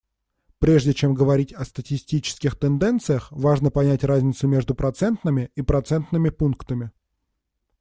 Прежде чем говорить о статистических тенденциях, важно понять разницу между процентами и процентными пунктами.